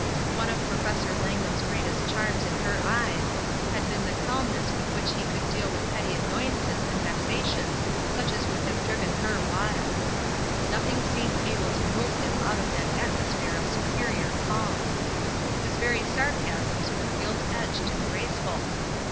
One of Professor Langham's greatest charms m her eyes had been the calmness with which he could deal with petty annoyances and vexa tions such as would have driven her wild. Noth ing seemed able to move him out of that atmos phere of superior calm. His very sarcasms were gilt edged and graceful.